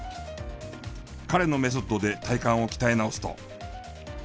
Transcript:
彼のメソッドで体幹を鍛え直すと。